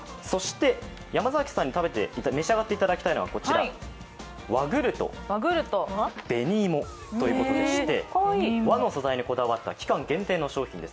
山崎さんに召し上がっていただきたいのはこちら、和ぐると、紅芋ということでして和の素材にこだわった期間限定の商品です。